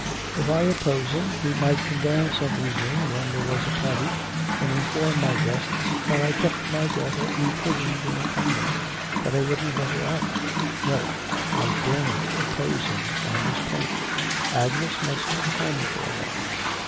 If I opposed him he might come down some evening when there was a party, and inform my guests that I kept my daughter imprisoned in a convent, that I wouldn't let her out. No; I daren't oppose him on this point. Agnes must come home for a while.